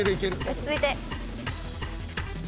落ち着いて。